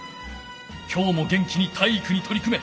きょうも元気に体育にとり組め！